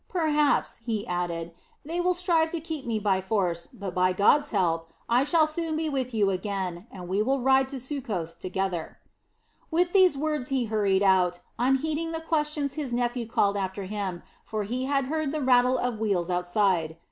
"Perhaps," he added, "they will strive to keep me by force, but by God's help I shall soon be with you again, and we will ride to Succoth together." With these words he hurried out, unheeding the questions his nephew called after him; for he had heard the rattle of wheels outside.